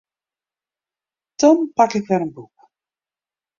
Dan pak ik wer in boek.